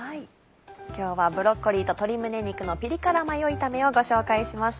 今日は「ブロッコリーと鶏胸肉のピリ辛マヨ炒め」をご紹介しました。